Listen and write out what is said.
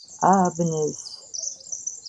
ააბნევს